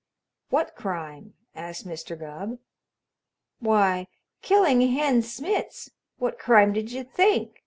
"What crime?" asked Mr. Gubb. "Why, killing Hen Smitz what crime did you think?"